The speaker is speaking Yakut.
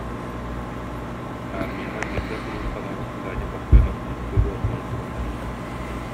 аармыйаҕа бииргэ сулууспалаабыт Ганя Парфенов икки уоллуун тураллар эбит